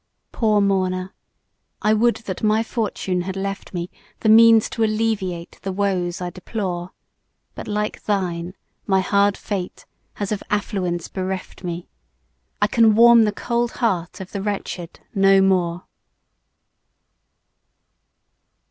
Poor mourner! I would that my fortune had left me The means to alleviate the woes I deplore; But like thine my hard fate has of affluence bereft me, I can warm the cold heart of the wretched no more!